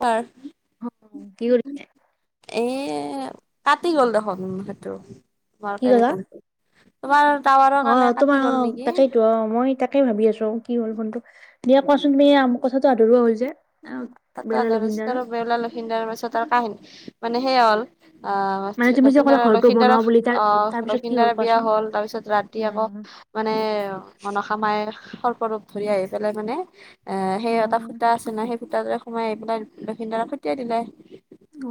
হয় অ কিউ এ কাটি গ'ল দেখোন সেইটো তোমাৰ কি তেনেুৱ ক'লা তোমাৰ টাৱাৰৰ অ কাৰণে কাটি তোমাৰ গ'ল অ নেকি তাকেইতো অ মই তাকেই ভাবি আছো কি হল ফোনটো দিয়ে কোৱাচোন মে আম কথাটো আধৰুৱা হৈল যে আহ ত বেলা আৰু লখিনদাৰৰ বেউলা লখিদাৰ পাছত আৰু কাহিনী মানে সেয়া হ'ল আহ মানে তুমি যে লক্ষিদাৰ ক'লা ঘৰটো বনোৱা লক্ষিণদাৰৰ বুলি তাৰ আহ তাৰপিছত কি হ'ল লক্ষিণদাৰৰ বিয়া কোৱাচোন হল তাৰপিছত ৰাতি আকৌ মানে মনসা মাই পৰ ধৰি আহি পেলাই মানে এ সেই এটা ফু উম তাৰে সোমাই আহি পেলাই লক্ষিণদাৰ খুটিয়াই দিলে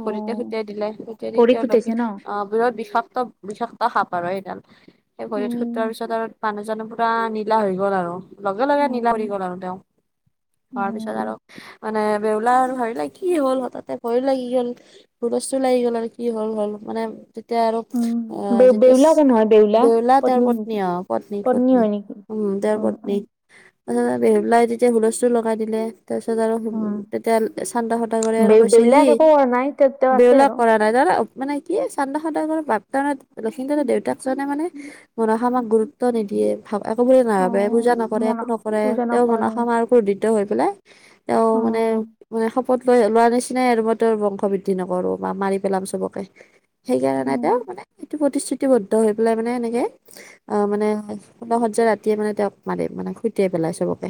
অ পতে খুটাই দিলে খুটাই দি ভৰিত তেওঁলোকে ফুটাইছে ন আহ বিৎ বিষাক বিষাক্ত সাপ আৰু সেইডাল সেই ভৰিত উম খুতোৱাৰ পিছত আৰু মানুহজ পুৰা নীলা হৈ গ'ল আৰু লগে লগে নিলা উম বুলি গ'ল আৰু তেওঁ তাৰ পিছত আৰু উম মানে বেউলা আৰু ভৰি লাগে কি হ'ল হতাতে ভয়ো লাগি গ'ল হুলস্থুল লাগি গ'ল আৰু কি হ'ল হ'ল মানে তেতিয়া আৰু অ উম বে যেতিয়া বেউলা কোন হয় বেউলা বউলা তেওঁৰ পত্নী নেকি? তাৰ পত্নী পত্নী হয় নেকি উম তেওঁৰ পত্নী তছ বেহুলাই তেতিয়া হুলস্থুল লগাই দিলে তাৰপিছত আৰু উম তেতিয়া চান্ড সদাগৰে আৰু বে কৈছে কি বেউলাক একো কৰা নাই তেওঁ তেওঁ আছে বেওলা আৰু কৰা নাই জান মানে কি চান্দা সদ বাপদ লক্ষ্মীদৰ দেউতাকজনে মানে মনশা মাক গুৰুত্ব নিদিয়ে ভ একো বুলি অ নাভাবে পূজা নকৰে মই একো নকৰে পূজা তেওঁ নকৰে মনশা মা কোধৃত হৈ পেলাই তেওঁ মানে মানে ক'ত লৈ লোৱাৰ নিচিনাই আৰু মই তেওঁৰ বংশ বৃদ্ধি নকৰো বা মাৰি পেলাম চবকে সেইকাৰণে তেওঁ মানে এইটো প্ৰতিশ্ৰুতিবদ্ধ হৈ পেলাই মানে এনেকে অ মানে ফুলশয্যা ৰাতিয়ে মানে তেওঁক মাৰ মানে খুটিয়াই পেলাই চবকে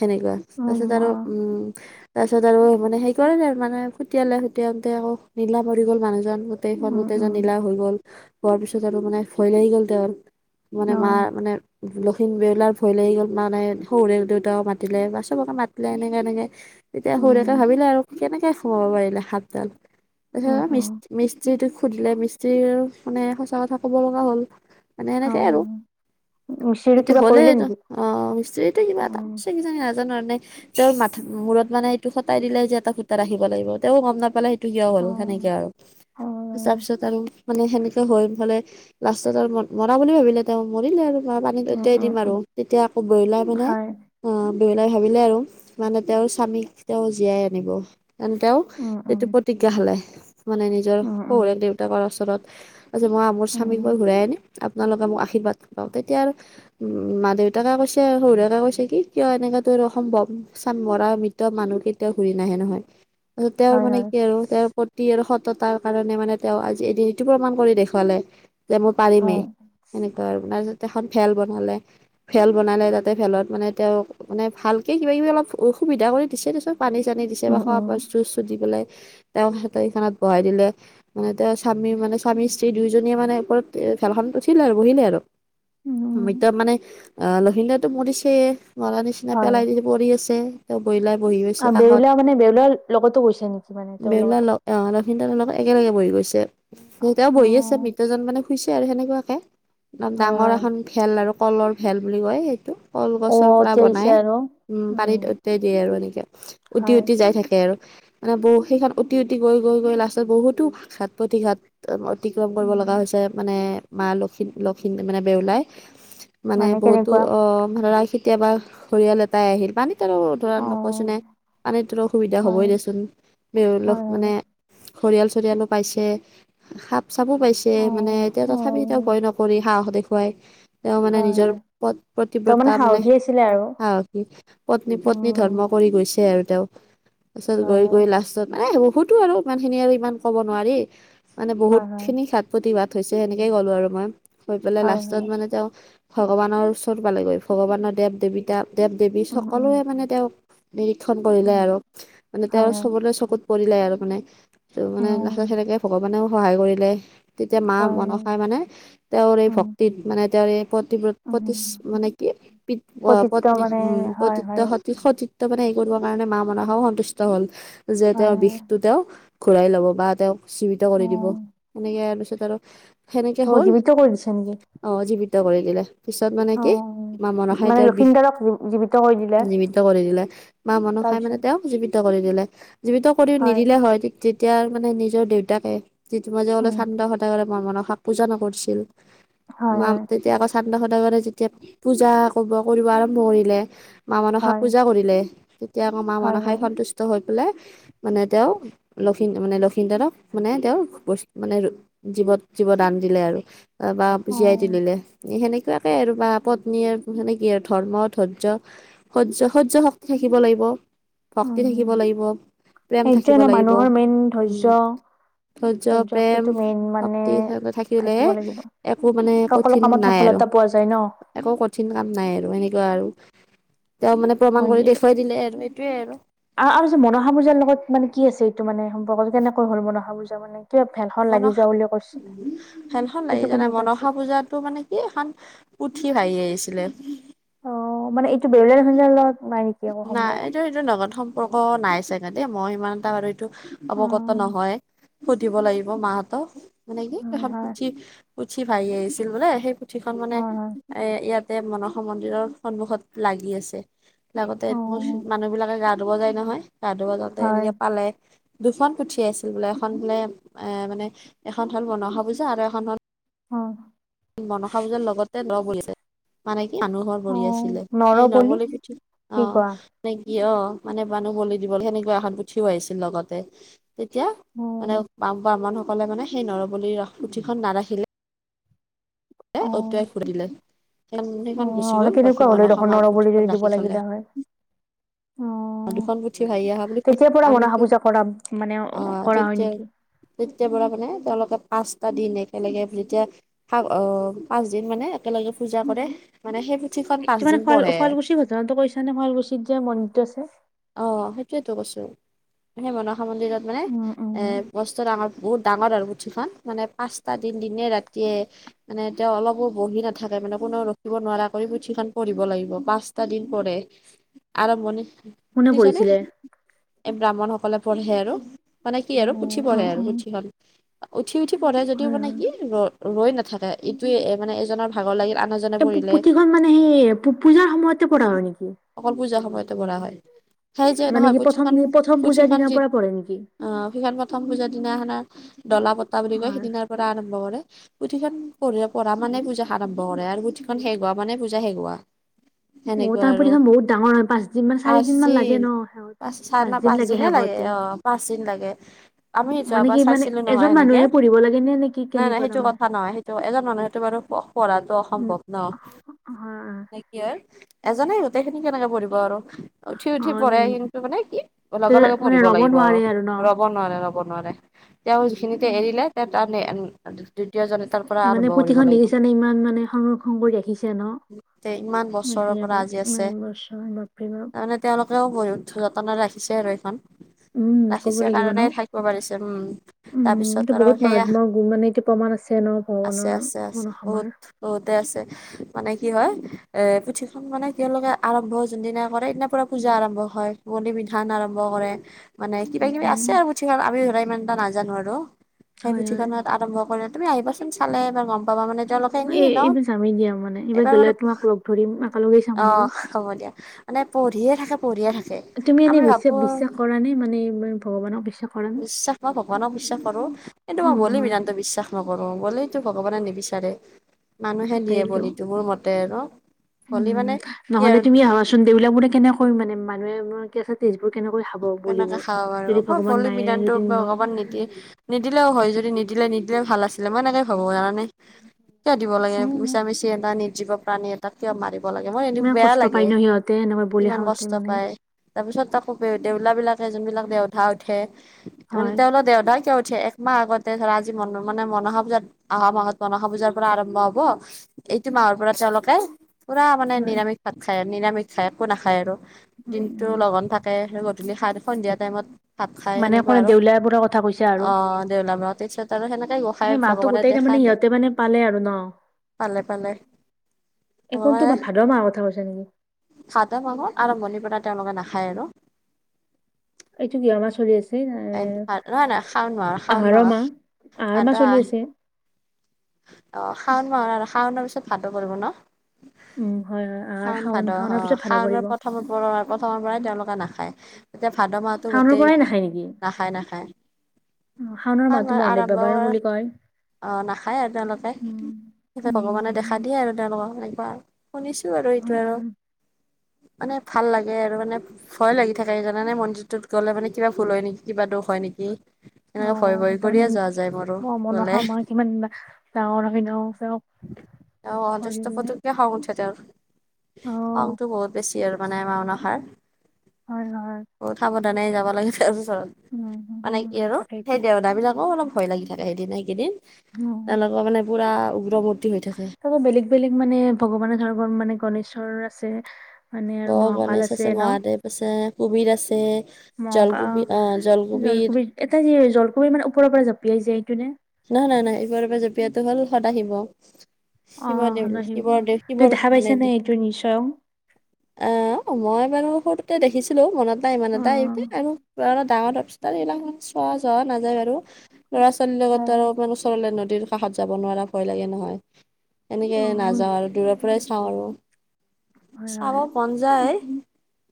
সেনেকুৱা তাৰ পিছত আৰু উম তাৰপিছত আৰু মানে হেৰি কৰিলে আৰু মানে ফুটিয়ালে খুটিয়াওঁতে আকৌ নীলা মৰি গ'ল মানুহজন গোটেইখন গোটেইজন নীলা হৈ গ'ল হোৱাৰ পিছত আৰু মানে ভয় লাগি গ'ল তেৰ মানে মা মানে লক্ষিম বেউলাৰ ভয় লাগি গ'ল মা মে সৰুৰে দেউতাকও মাতিলে বা চবকে নাতিলে এনেকে এনেকে তেতিয়া সৰুকে ভাবিলে আৰু কেনেকে সোমাব পাৰিলে সাপডাল ত মি মি্ত্ৰীটোক সুধিলে মিস্ত্ৰীৰ মানে সঁচা কথা কব লগা হ'ল মানে সেনেকে আৰু সটো হ'লেটো অ মিষ্ট্ৰিটো কিবা এটা চেঙি চঙি আ যেন মানে, তেওঁৰ মা মূৰত মানে এইটো সটাই দিলে যে এটা সূতাৰ আহিব লাগিব, তেওঁ গম নাপালে কিয় হ'ল সেনেকে আৰু তাৰ পিছত আৰু মানে সেনেকে হৰীণ ফালে লাষ্টত আৰু মৰা বুলি ভাবিলে তেওঁ মৰিলে আৰু বা পানীত উটিয়াই দিম আৰু তেতিয়া আকৌ বৈলাই মানে অ', বৈলাই ভাবিলে আৰু মানে তেওঁৰ স্বামীক তেওঁ জীয়াই আনিব। তেন তেওঁ এইটো প্ৰতিজ্ঞা হালায় মানে নিজৰ শহয়াল দেউতাকৰ ওচৰত আছে মই মোৰ স্বামীক মই ঘূই আনিম আপোনালোকে মোক আশীৰ্বাদ পাওঁ তেতিয়া আৰু মা দেউতাকে কৈছে সৰুৰোকে কৈছে কি কিয় এনেককা তোৰ অসম্ভৱ মৰা মৃত মানুহ কে কেতিয়া ঘূৰি নাহে নহয় তাৰছত তেওঁৰ মানে কি আৰু তেওঁৰ প্ৰতি আৰু সৎ ত' তাৰ কাৰণে মানে তেওঁ আজি এইদি এইটো প্ৰমাণ কৰি দেখালে। যে মই পাৰিমেই সেনেকুৱাই আৰু তাৰছ এখন ভেল বনালে ভেল বনালে তাতে ভেলত মানে তেওঁ মানে ভালকে কিবা কিবি অলপ অসুবিধা কৰি দিছে দেছোন, পানী চানী দিছে বা খুৱা বস্তু চস্তো দি পেলাই তেওঁ সিহঁতৰ সেইখনত বহাই দিলে, মানে তেওঁ স্বামী মানে স্বামী স্ত্ৰী দুয়োজনীয়ে মানে ওপৰত খেলখন উঠিলে আৰু বহিলে আৰু। মৃত মানে অ, লখিণতা মৰিছে মৰাৰ নিচিনা পেলাই হয় মৰি আছে তেওঁ বৈলাই বহি গৈছে আৰু কাষত বেউলা মানে বেউলাৰ লগতো গৈছে নেকি মানে তেওঁৰ বৈলা লগতে সিহঁতৰ লগত একেলগে বহি গৈছে যেতিয়াও অ বহি আছে মৃতজন মানে শুইছে আৰু সেনেকুৱাকে একদম হয় ডাঙৰ হয় এখন ভেল আৰু কলৰ ভেল বুলি কয় সেইটো অ কলগছৰ পৰা এতিয়া আহিছে বনাই আৰু উম, পানীত উতিয়াই দিয়ে আৰু এনেকে উটি হয় উটি যাই থাকে আৰু। মানে বহু সেইখন উটি-উঠি গৈ, গৈ, গৈ, লাষ্টত বহুতো ঘাট প্ৰতিঘাট অতিক্ৰম কৰিব লগা উম হৈছে মানে মা লক্ষ লক্ষিন মানে বেউলাই। মানে বহুতো অ, ধৰা কেতিয়াবা সৰিয়াল এটাই আহিল পান ধৰা অ নকৈচ নে পানীতৰ অসুবিধা হ'বই হয় দেচোন ধেউলক হয় হয় মানে খৰিয়াল চৰিয়ালো পাইছে সাপ চাবো পাইছে অ মানে এতি অ তথাপি তেওঁ ভয় নকৰি সাহ দেখুৱাই তেওঁ মানে হয় নিজৰ হয় প' তই প্ৰতিব্ৰতা মানে সাহসী আছিলে আৰু হাও কি পত্নী পত্নী উম ধৰ্ম কৰি গৈছে আৰু তেওঁ। তাৰ পিছত হয় হয় গৈ-গৈ লাষ্টত মানে বহুতো আৰু ইমান খিনি আৰু ইমান কব নোৱাৰি মানে বহুত হয় হয় খিনি ঘাত প্ৰতিবাত হৈছে সেনেকেই গ'লো আৰু মই গৈ পেলাই হয় লাষ্টত হয় মানে তেওঁ ভগৱানৰ ওচৰত পালেগৈ, ভগৱানৰ দেৱ দেৱীতা দেৱ দেৱী উম উম সকলোৰে মানে তেওঁ নিৰীক্ষণ কৰিলে উম আৰু মানে হয় তেওঁৰ হয় চবলৈ চকুত পৰিলে আৰু মানে। ত' মানে লাহে উম লাহে লকে ভগৱানেও সহায় কৰিলে। তেতিয়া মা হয় হয় মনসাই মানে তেওঁৰ এই উম ভক্তিত মানে তেওঁৰ এই প্ৰতিব প্ৰতি উম মানে কি? প্ৰতিত্ব পত্নী মানে উম, হয় হয় [unintelligible] মানে হেৰি কৰিব কাৰণে মা মনাসাও সন্তুষ্ট হল যে হয় তেওঁৰ হয় বিষটো তেওঁ ঘূৰাই ল'ব বা তেওঁক জীৱিত অ কৰি দিব এনেকে তাৰ পিছত আৰু সেনেকে অ হল জীৱিত কৰি দিছে নেকি অ, জীৱিত কৰি দিলে পিছত মানে অ কি মা মনা মানে তেওঁ বিষ, লক্ষিন্দৰক জীৱিত কৰি দিলে জীমিত কৰি দিলে মা মনসায়ে তাৰপিছত তেওঁক জীৱিত কৰি দিলে যিবিতো কৰি নিদিলে হয় ঠিক তেতিয়া মানে নিজৰ দেউতাকে যিতি মাযে হলে উম চান্দ সদায়লে মা মনসাক পূজা নকৰিছিল হয় মা হয় তেতিয়া আকৌ চান খুন্দা খুন্দা কৰে যেতিয়া পূজা কৰিব কৰিব আৰম্ভ কৰিলে, মা মানসাক হয় পূজা কৰিলে তেতিয়া আকৌ মা হয় মনসাই হয় সন্তুষ্ট হৈ মানে তেওঁ লক্ষিন মানে লক্ষিনতৰক মানে তেওঁ, মানে জৱত জীৱদান দিলে আৰু বা অ জীয়াই তুলিলে সেনেকুৱাকে আৰু বা পত্নীয়ে সেইখিনি কি আৰু ধৰ্ম ধৰ্য্য সহ্য সহ্য শক্তি থাকিব লাগিব। ভক্তি থাকিব উম লাগিব প্ৰেম সেইটোৱে থাকিব ন লাগিব মানুহৰ মেইন উম, ধৈৰ্য্য ধৈৰ্য ধৈৰ্য্য প্ৰেম শক্তিটো মেইন মানে শক্তি সে থাকিলে থাকিব একো মানে কঠিন নাই আৰু। টা পোৱা যায় ন একো কঠিন কাম নাই আৰু এনেকুৱা আৰু তেওঁ মানে প্ৰমাণ কৰি দেখুৱাই দিলে আৰু এইটোৱে আৰু আহ আৰু যে মনোসা পূজাৰ লগত মানে কি আছে এইটো মানে সম্পৰ্কতটো কেনেকৈ হ'ল মনসা পূজা মানে। কিবা ভেলখন লাগি নসা যোৱা বুলি কৈছে সেনখন লাগি সেইটো জানাই কেনেকুৱা আছিল বনসা পূজাতো মানে কি এখন পুঠি ভাহি আহিছিলে। অ', মানে এইটো বেৰলীয়া [unintelligible] লগত নাই নেকি? আকৌ নাই সম্পৰ্ক এইটো এইটো নগদ সম্পৰ্ক নাই চাগে দেই মই সিমান এটা বাৰু অ অৱগত নহয় সুধিব লাগিব মা হতক মানে হয় হয় কি [unintelligible] পুঠি ভাহি আহিছিল বোলে, সেই পুথিখনন মানে হয় হয় এ ইয়াত মনসা মন্দিৰৰ সন্মুখত লাগি আছে লগতে অ মানুহ বিলাকে গা গা ধুব যায় নহয়, গা ধুব যাওঁতে হয় এনেকে পালে। দুখন পুঠি আছিল বোলে, এখন বোলে এ মানে এখন হ'ল মনসা পূজা আৰু এখন হ'ল অ' মনসা পূজাৰ লগতে ন বছে মানে কি মানুহৰ অ বলি আছিলে সেই নৰবলি কি অ কোৱা নাই ক অ মানে বানুহ বলি দিবল সেনেকুৱা এখন পুঠিও আহিছিল লগতে তেতিয়া অ মানে বাম ব্ৰাহ্মণসকলে মানে সেই নৰবনিৰ ৰস পুঠিখন নাৰাখিলে অ অটোৱাই ফুৰিলে। অ' আৰু কেনেকুৱা হ'লদেখ মাৰ নৰবলি বুলি পুথিখন যদি দিব ৰাখি থলে লাগিলে হয়। অ' দুখন পুথি ভাহি অহা বুলি তেতিয়াৰ পৰা মনসা আমিতো পূজা কৰা মানে কৰা হয় নেকি? তেতিয় পৰা মানে তেওঁলোকে পাচ টা দিন একেলগে যেতিয়া আহ পাঁচ দিন মানে একেলগে পূজা কৰে। মানে সেই পুথিখন এইটো মানে পাঁচদিন পঢ়ে শুৱালকুছিৰ ঘটনাটো কৈছা নে শুৱালকুছিত যে মন্দিৰটো আছে। অ' সেইটোয়েতো কৈছো সেই মনসা মন্দিৰত মানে উম এ উম বস্ত ডাঙৰ বহুত ডাঙৰ আৰু পুঠিখন মানে পাঁচটা দিন দিনে ৰাতিয়ে মানে তেওঁ অলপবোৰ বহি নাথাকে মানে। ৰখিব নোৱাৰা কৰি পুথিখন পঢ়িব লাগিব পাঁচটা দিন পঢ়ে। আৰম্ভণি মনে শুনিছানে পৰিছিলে এই ব্ৰাহ্মণসকলে পঢ়ে আৰু। মানে কি আৰু উম পুচি অ পঢ়ে অ আৰু পুচি হ'ল উঠি উঠি পঢ়ে যদিও হয় মানে, হয়। কি ৰ ৰৈ নাথাকে ইটোৱে মানে এজনৰ ভাগৰ লাগি। প্ৰতিখন মানে সেই পূজাৰ সময়তে পৰা হয় নেকি। অকল পূজাৰ সময়তে পঢ়া হয়। সেই যে মানে নহয় কি প্ৰথম পুথিখন প্ৰথম পূজাৰ পুথিখন দিনাৰ যি পৰা পঢ়ে নেকি? সিখন প্ৰথম পূজাৰ দিনাখনা ডলা পতটা বুলি কয় হয় সেইদিনাৰ পৰা আৰম্ভ কৰে। পুথিখন পঢ় পঢ়া মানে পূজা আৰম্ভ কৰে আৰু পুথিখন শেগোৱা মানে পূজা শেগোৱা অ' তাৰ পুঠিখন বহুত ডাঙৰ হয়, পাঁচ দিন মান চাৰি দিন মান লাগে ন শেষত? পাচ পাঁচ না দিন পাচ দিনে শেষ লাগে হওঁতে অ' পাচ দিন লাগে আমি মানে যোৱাবাৰ কি মানে চাইছিলো ন নহয় এজন সেনেকে মানুহে পঢ়িব লাগে নে নে কি নাই নাই কেনেকুৱা সেইটো তাৰমানে? কথা নহয় সেইটো এজন মানুহ সেইটো বাৰু পঢ়াটো উম অসম্ভৱ। ন হয়। নে কি হয় এজনে গোটেই খিনি কেনেকে পঢ়িব আৰু উঠি উঠি হয় অ পঢ়ে ইমান কিন্তু মানে কি লগে লগে মানে পঢ়িব ৰ'ব লাগিব আৰু নোৱাৰি ন? ৰ'ব নোৱাৰে ৰব। নোৱাৰে তেওঁ যিখিনিতে উম, এৰিলে তাৰ দ্বিতীয়জনে তাৰ পৰা মানে আৰম্ভ কৰিব পুঠিখন লাগিব দেখিছ নে ইমান মানে সংৰক্ষণ কৰি ৰাখিছে ন। তে ইমান বছৰৰ উ বৰছৰ বাপৰি তাৰমানানে তেওঁলোকেও বহুত যতনে ৰাখিছে আৰু এইখন। উম ক'ব ৰাখিছে লাগিব কাৰণে ন থাকিব পাৰিছে উম। উম তাৰপিছত এইটো আৰু বহুত সেইয়া মহাত্মা গুণ মানে এইটো প্ৰমাণ আছে ন আছে ভগৱানৰ আছে আছে মনসমাৰ বহুত। বহুতে আছে মানে কি হয় এ পুথিখন মানে তেওঁলোকে আৰম্ভ যোনদিনা ধৰে হেইদিনা পৰা পূজা আৰম্ভ হয় বলি বিধান আৰম্ভ কৰে। মানে কিবা উম কিবি আছে উম আৰু পুথিখন আমি ধৰা ইমান এটা নাজানো আৰু সেই হয় হয় পুথিখনত আৰম্ভ কৰি তুমি আহিবাচোন চালে এবাৰ গম বাবা মানে তেওঁলোকে এনে এই ন' এইবাৰ যামেই দিয়া মানে এইবাৰ গ'লে মানে তোমাক লগ ধৰিম একেলগে চাম বাৰু অ', হ'ব দিয়া। মানে পঢ়িয়ে থাকে পঢ়িয়ে থাকে। তুমি এনে আমি ভাবো বিশ্বাস বিশ্বাস কৰা নে মানে ইমান ভগৱানক বিশ্বাস কৰা নে বিশ্বাস, মই ভগৱানক বিশ্বাস কৰোঁ। এইটো অ মই বলি হয় বিধান বিশ্বাস নকৰো বলিটো ভগৱানে নিবিচাৰে মানুহে দিয়ে তাকেইতো বলিতো মোৰ মতে আৰু। ভলি উম, মানে কি নহ'লে আৰু তুমি আহাচোন দেউলা মোৰে কেনেক কৰিম মান মানুহে ম কি আছে তেজ কেনেকে খাওঁ বাৰু অকল ভগৱান বলি নায়ে বিধানটো যদি ন অকণমান নিদ নিদিলেও হয় যদি নিদ দিলে নিদিলে ভাল আছিলে মই এনেকে ভাবো কাৰণে কিয় দিব লাগে আছে মিছা মিছি এটা নিদ জীৱ প্ৰাণী এটাক কিয় মাৰিব। দিব লাগে, মই এইটো ইমান বেয়া কষ্ট লাগে পায় ন সিহঁতে এনেকৈ বলি ইমান খাওঁতে কষ্ট মানে পাই তাৰপিছত তাকো দেউলা বিলাকে যোনবিলাক দেউধা উঠে মানে হয়। তেওঁলোক দেউধা কিয় একমাহ আগতে ধৰা আজি মন মানে মনসা পূজাত অহা মাহত মনসা পূজাৰ পৰা আৰম্ভ হব। এইটো মাহৰ পৰা তেওঁলোকে পুৰা মানে হয়, নিৰামিষ ভাত খায় নিৰামিষ খাই একো নাখায় আৰু উম, দিনটো উম। লগন থাকে গধূলি খাত সন্ধিয়া টাইমত ভাত খাই মানে সেনেকুৱা অকল আৰু দেউলীয়াবোৰৰ কথা কৈছা আৰু অ, দেউলা ম' তাৰছত আৰু সেনেকে গোঁসাই ভগৱানে দেখ মানে সিহঁতে মানে পালে আৰু ন? পালে পালে। অ', এই কোনটো মাহ [unintelligible] ভাদ মাহৰ কথা কৈছা নেকি? আৰম্ভণিৰ পৰা তেওঁলোকে নাখাই। এইটো কিহৰ মাহ চলি আছে? নহয় নহয় শাওণ এ মাহৰ শাওণ আহাৰ মাহৰ মাহ, আহাৰ ভাদ মাহ আহ চলি আছে। অ' শাওন মাহ আৰু শাওনৰ পিছত ভাতো পৰিব ন? উম, হয়, হয় আহাৰ শাওন ভাদৰ শাওনৰ অ, পিছত ভাদ পৰিব। শাওনৰ প্ৰথম পৰা প্ৰথমৰ পৰাই তেওঁলোকে নাখায়। এতিয়া ভাদ মাহতো শাওনৰ গোতেই পৰাই নাখায় নেকি? নাখায় নাখায়। শাওনৰ অ', মাহটো ন' মহাদেৱ আৰাম্ভ বাবাৰ বুলি কয়। অ', নাখা খায় আৰু তেওঁলোক, উম, ভগৱানে উম, দেখা দিয়ে আৰু তেওঁলোকক এনেকুৱা আৰু। শুনিছো আৰু এইটো আৰু। উম, মানে ভাল লাগে আৰু মানে ভয় লাগি থাকে সকাৰনে মন্দিৰটোত গ'লে মানে কিবা ভুল হয় নেকি কিবা দখ হয় নেকি। এনেকে ভয় অ', ভয় তাৰমানে কৰিয়ে যোৱা যায় মোৰো গলে। গাঁৱৰ ফিনেও আছে ন। অ', অদষ্ট শৰীৰে পুতোককে খং উঠে তেওঁৰ। অ', খংটো বহুত বেছি আৰু মানে [unintelligible] হয়, হয়, যেনে যাব লাগে তাৰপিছত, উম, উম, মানে উম, কি আৰু তাকেইতো সেই দেউধা বিলাকো অলপ ভয় লাগি থাকে সেইদিন সেইকিদিন, তেওঁলোকৰ মানে পুৰা উগ্ৰমৰ্তী হৈ থাকে। তাৰ পৰা বেলেগ বেলেগ মানে ভগৱানে ধৰৰ মানে গনেশৰ আছে। মানে আৰু অ', মহাকাল গনেশ আছে ন' মহাদেৱ আছে কুবিৰ আছে জলকুবি অ', জলকবি জলকবিৰ এটা যি জলকবি মানে ওপৰ পৰা জপিয়াই যে সেইটো নে? নাই-নাই-নাই ওপৰৰ পৰা জপিয়টো হ'ল সতা হিব শিৱদেউ অ', শিৱৰ সেইবোৰ দেউ তুমি শিৱৰ দেখা মানে পাইছা নে দি এইটো নিশ্চয় অ', আ, মই বাৰু সৰুতে দেখিছিলোঁ মনত নাই ইমান এইটোৱে আৰু ডাঙৰ তৰপিছত এইবিলাক চোৱা চোৱা নাযায় বাৰু ল'ৰা ছোৱালীৰ লগত হয়, হয়। আকাষত যাব নোৱাৰা ভয় লাগে নহয় এনেকে অ', নাযাওঁ আৰু দূৰৰ পৰাই চাওঁ আৰু। হয়, হয়, চাব মন যায়।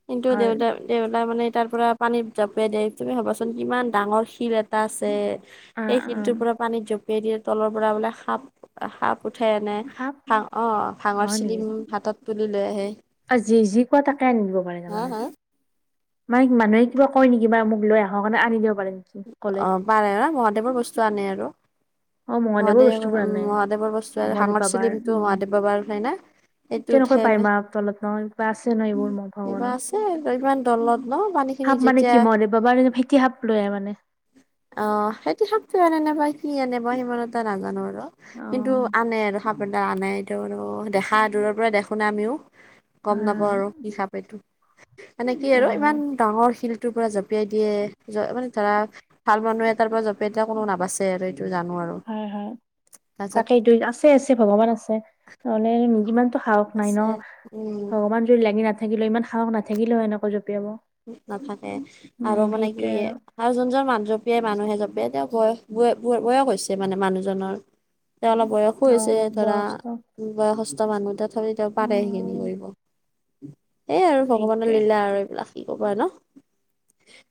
কিন্তু হয়, দেউতা দে তাৰ মানে তাৰ পৰা পানীত জপিয়াই দিয়ে, তুমি ভাবাচোন কিমান ডাঙৰ শিৰ এটা আছে। অ', এই কিন্তু অ', জপিয়াই দিয়ে তলৰ পৰা বোলে সাপ সাপ উঠে আনে সাপ ভাং অ', ভাঙৰ চিলিম হাতত তুলি লৈ আহে। আজি যি কোৱা তাকে আনি দিব পাৰে হা তাৰমানে হা [unintelligible] মানুহে কিবা কৈ নেকি বা মোক লৈ আহক বা আনি দিয়ক। অ', পাৰে ন' মহাদেৱৰ বস্তু আনে আৰু। অ', মহাদেৱৰ মহাদেৱ বস্তুবোৰ উম, আনে মহাদেৱৰ বস্তু মানে হাঙৰ বাবাৰ চিলিমটো উম, মহাদেৱ বাবাৰ হয় না সেইটো কেনেকৈ উঠাই পাই আনে মা তলত ন' বা ন এইবোৰ মোৰ কিবা ভগৱানৰ, আছে আৰু ইমান দলত ন পানী খিনি সাপ মানে যেতিয়া কি মহাদেৱ বাবায়ে ভেতি সাপ লৈ আ মানে। অ', সেইটো থাকতোৱ শক্তি এনে নাপাই। কি আনে মই সিমান এটা নাজানো আৰু অ কিন্তু আনে আৰু। সাপ এতা আনে ইতো আৰু দেখা দূৰৰ পৰা দেখু ন আমিও গম নাপাওঁ। হব আৰু হিচাপ এটো এনেকে আৰু হয় ইমান হয় ডাঙৰ শিল টো পৰা জঁপিয়াই দিয়ে, মানে ধৰা ভাল মানুহে এটাৰ পৰা জপিয়াই দিয়া কোনো নাবাচে আৰু। এইটো জানো আৰু হয়, হয়, তাৰপিছত তাকে দুই আছে আছে ভগৱান আছে নহলে ইমানতটো সাহস নাই আছে ন' উম ভগৱান যদি লাগি নাথাকিলে হয়, ইমান সাহস নাথাকিলে হয় এনেকা নাথাকে আৰু মানে কি আৰু যোনজন মান জপিয়াই মানুহে জপিয়ে তেওঁ বয়স বয় বয়স হৈছে মানে মানুহজনৰ। তেওঁ অলপ বয়সো অ হৈছে ধৰা, বয়সটো বয়সস্থ মানুহ তাত খালি তেওঁ পাৰে, সেইখিনি উম কৰিব সেই আৰু ভগৱানৰ সেইটোৱে লীলা আৰু এইবিলাক। কি ক'ব ন'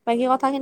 বাকী কথাখিনি